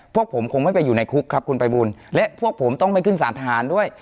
พวกผมคงไม่ไปอยู่ในคุกครับคุณภัยบูลและพวกผมต้องไม่ขึ้นสารทหารด้วย